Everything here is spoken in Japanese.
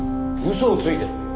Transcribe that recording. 嘘をついている？